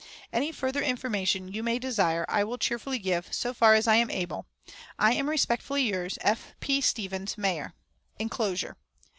"Any farther information you may desire I will cheerfully give, so far as I am able. I am respectfully yours, "F. P. STEVENS, Mayor." (Inclosure.)